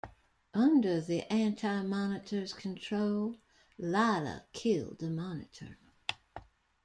Under the Anti-Monitor's control, Lyla killed the Monitor.